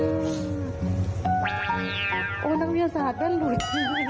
นักวิทยาศาสตร์ก็หลุด